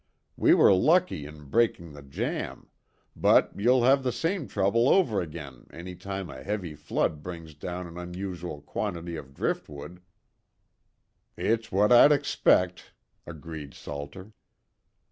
"We were lucky in breaking the jamb; but you'll have the same trouble over again any time a heavy flood brings down an unusual quantity of driftwood." "It's what I'd expect," agreed Salter.